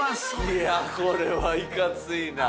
いやこれはいかついな。